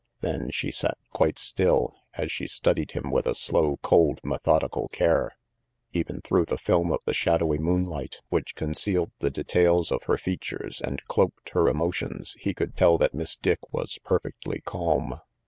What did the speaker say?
Then she sat quite still, as she studied him with a slow, cold, methodical care. Even through the film of the shadowy moonlight 290 RANGY PETE which concealed the details of her features and cloaked her emotions, he could tell that Miss Dick was perfectly calm.